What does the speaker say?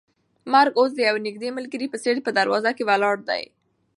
مرګ اوس د یو نږدې ملګري په څېر په دروازه کې ولاړ دی.